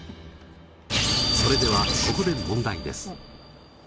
それではここで問題です！